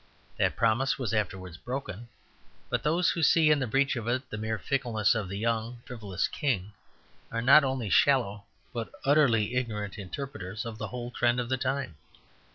That promise was afterwards broken; but those who see in the breach of it the mere fickleness of the young and frivolous king, are not only shallow but utterly ignorant interpreters of the whole trend of that time.